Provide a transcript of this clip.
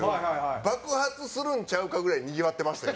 爆発するんちゃうかぐらいにぎわってましたよ